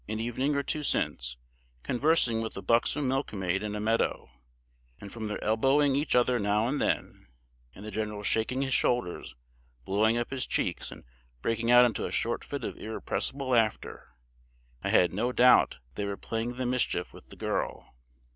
] I saw him and Master Simon, an evening or two since, conversing with a buxom milkmaid in a meadow; and from their elbowing each other now and then, and the general's shaking his shoulders, blowing up his cheeks, and breaking out into a short fit of irrepressible laughter, I had no doubt they were playing the mischief with the girl.